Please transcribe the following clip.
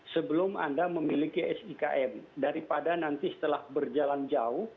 sebelum anda memiliki sikm daripada nanti setelah berjalan jauh